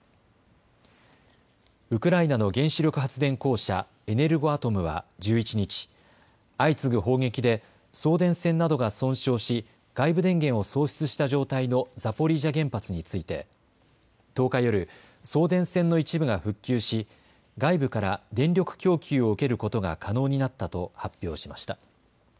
ウクライナの原子力発電公社エネルゴアトムは１１日、相次ぐ砲撃で送電線などが損傷し外部電源を喪失した状態のザポリージャ原発について１０日夜、送電線の一部が復旧し、外部から電力供給を受けることが可能になったと発表しました。